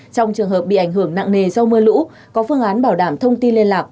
trong trường hợp bị ảnh hưởng nặng nề do mưa lũ có phương án bảo đảm thông tin liên lạc